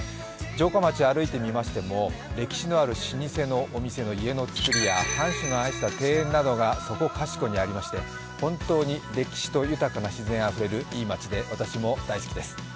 城下町を歩いてみましても歴史のある老舗のお店の家の造りや、藩主の愛した庭園などがそこかしこにありまして、本当に歴史が豊かな街で私も大好きです。